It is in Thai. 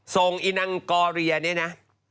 ส่งอินังกอเรียนี่นะ